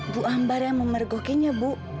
bu ambar yang memergokinya bu